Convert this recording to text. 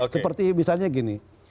seperti misalnya gini